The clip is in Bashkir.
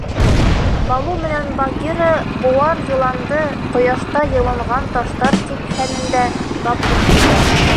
Балу менән Багира быуар йыланды ҡояшта йылынған таштар типһәнендә тап иттеләр.